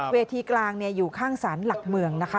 เวทีกลางอยู่ข้างศาลหลักเมืองนะคะ